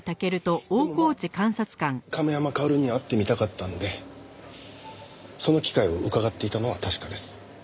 でもまあ亀山薫には会ってみたかったのでその機会をうかがっていたのは確かです。